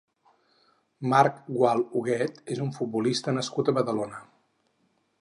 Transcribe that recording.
Marc Gual Huguet és un futbolista nascut a Badalona.